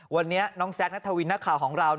วันนี้น้องแซคนัทวินนักข่าวของเรา